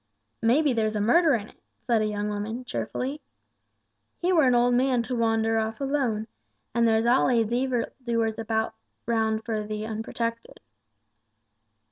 "May be there's a murder in it," said a young woman, cheerfully. "He were an old man to wander off alone, and there's allays evil doers round about for the unprotected."